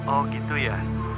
oh gitu ya